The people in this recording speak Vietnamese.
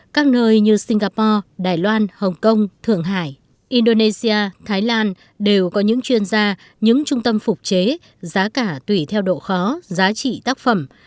các nơi như singapore đài loan hồng kông thượng hải indonesia thái lan đều có những chuyên gia những trung tâm phục chế giá cả tùy theo độ khó giá trị tác phẩm